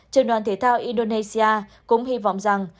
trường đoàn thế thao indonesia cũng hy vọng rằng